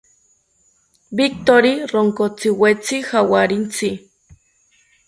Victori ronkotziwetzi jawarintzi